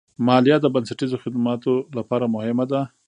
مالیه د بنسټیزو خدماتو لپاره مهمه ده.